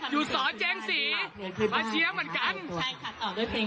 อยู่สอนแจงสีมาเชี้ยเหมือนกัน